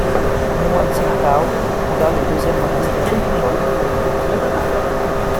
Muan Xingtao fonda le deuxième monastère de l'école, près de Tōkyō.